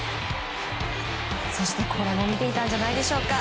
そしてこれも見ていたんじゃないでしょうか。